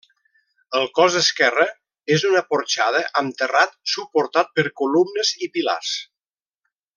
El cos esquerre és una porxada amb terrat suportat per columnes i pilars.